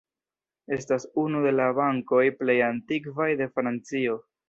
Estas unu de la bankoj plej antikvaj de Francio.